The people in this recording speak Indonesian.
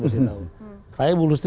harus tahu saya mengurus di